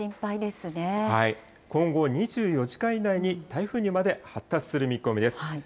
今後２４時間以内に台風にまで発達する見込みです。